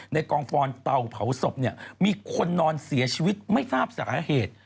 กองฟอนเตาเผาศพเนี่ยมีคนนอนเสียชีวิตไม่ทราบสาเหตุ